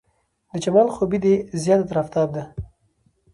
د جمال خوبي دې زياته تر افتاب ده